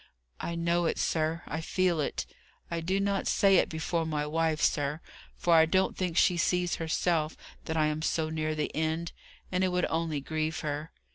"I know it, sir I feel it. I do not say it before my wife, sir, for I don't think she sees herself that I am so near the end, and it would only grieve her.